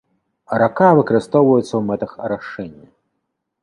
Рака выкарыстоўваецца ў мэтах арашэння.